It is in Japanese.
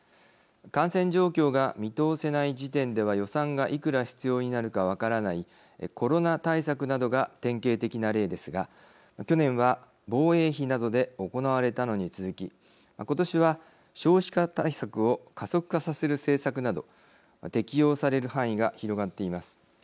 感染状況が見通せない時点では予算がいくら必要になるか分からないコロナ対策などが典型的な例ですが去年は防衛費などで行われたのに続き今年は、少子化対策を加速化させる政策など適用される範囲が広がっています。